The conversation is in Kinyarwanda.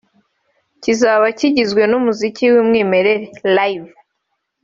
kizaba kigizwe n'umuziki w'umwimerere (Live)